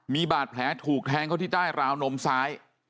มีบาดแผลถูกแทงเขาที่ใต้ราวนมซ้าย